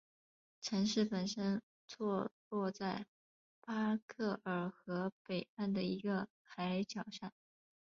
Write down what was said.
城市本身坐落在巴克尔河北岸的一个海角上。